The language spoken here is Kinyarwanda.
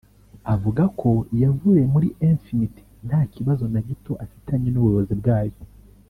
Avuga ko yavuye muri Infinity nta kibazo na gito afitanye n’ubuyobozi bwayo